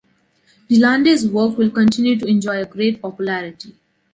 Delalande’s work will continue to enjoy a great popularity.